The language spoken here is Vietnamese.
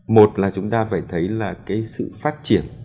một là chúng ta phải thấy là cái sự phát triển